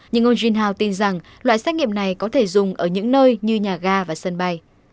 nhưng ông junhao tin rằng loại xét nghiệm này có thể dùng ở những nơi như nhà ga và sân bay